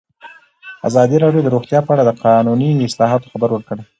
ازادي راډیو د روغتیا په اړه د قانوني اصلاحاتو خبر ورکړی.